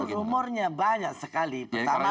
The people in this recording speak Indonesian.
rumornya banyak sekali pertama